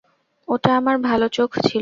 ওটা আমার ভালো চোখ ছিল।